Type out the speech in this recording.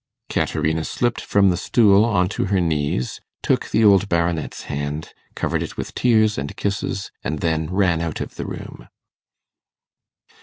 Caterina slipped from the stool on to her knees, took the old Baronet's hand, covered it with tears and kisses, and then ran out of the room.